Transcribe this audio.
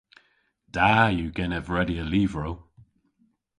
Da yw genev redya lyvrow.